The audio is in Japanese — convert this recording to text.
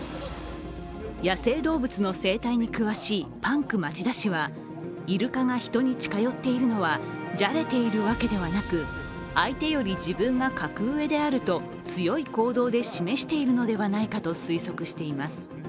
野生動物の生態に詳しいパンク町田氏はイルカが人に近寄っているのはじゃれているわけではなく、相手より自分が格上であると強い行動で示しているのではないかと推測しています。